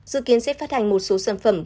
dự kiến sẽ phát hành một số sản phẩm